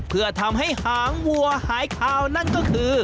เพื่อทำให้หางวัวหายคาวนั่นก็คือ